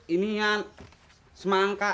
ini kan semangka